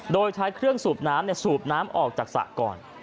โดยใช้เครื่องสูบน้ำสูบน้ำออกจากสระก่อน